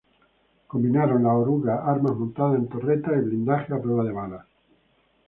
Combinaron las orugas, armas montadas en torretas y blindaje a prueba de balas.